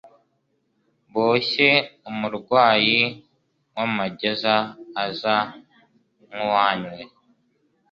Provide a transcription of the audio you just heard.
boshye umurwayi w'amageza aza nkuwanywe